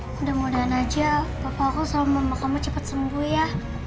mudah mudahan saja bapakku selalu membawa kamu cepat sembuh ya